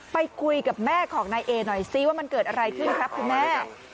ไปคุยกับแม่ของนายเอหน่อยซิว่ามันเกิดอะไรขึ้นครับคุณแม่